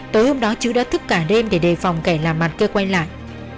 tối hôm đó chứ đã thức cả đêm để đề phòng kẻ làm mặt kia quay lại